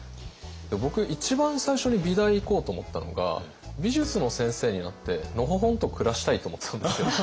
僕一番最初に美大行こうと思ったのが美術の先生になってのほほんと暮らしたいと思ってたんですよ。